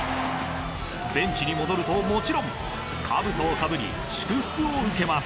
ベンチに戻るともちろん、かぶとをかぶり祝福を受けます。